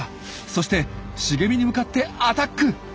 そして茂みに向かってアタック！